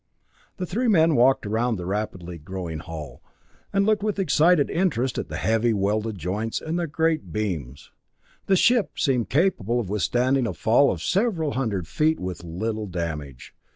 The three men walked around the rapidly growing hull, and looked with excited interest at the heavy welded joints and the great beams. The ship seemed capable of withstanding a fall of several hundred feet with little damage.